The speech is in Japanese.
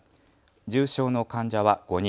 重症の患者は５人。